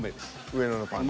上野のパンダ。